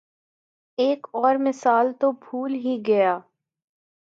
ایک اور مثال تو بھول ہی گیا۔